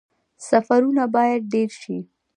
سفرونه باید ډیر شي